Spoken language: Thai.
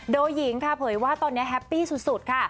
โดยหญิงค่ะเผยว่าตอนนี้แฮปปี้สุดค่ะ